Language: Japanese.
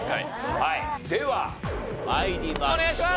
はいでは参りましょう。